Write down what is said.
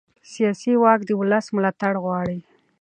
سیاسي واک د ولس ملاتړ غواړي